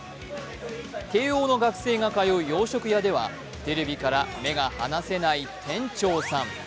慶応の学生が通う洋食屋ではテレビから目が離せない店長さん。